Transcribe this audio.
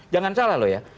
jangan salah loh ya